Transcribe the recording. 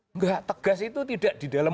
enggak tegas itu tidak di dalam